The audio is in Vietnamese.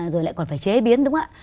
rồi lại còn phải chế biến đúng ạ